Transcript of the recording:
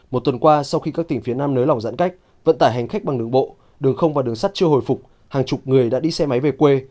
một tuần qua sau khi các tỉnh phía nam nới lỏng giãn cách vận tải hành khách bằng đường bộ đường không và đường sắt chưa hồi phục hàng chục người đã đi xe máy về quê